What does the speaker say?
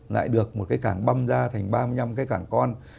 lại được một cái cảng băm ra thành ba mươi năm cái cảng con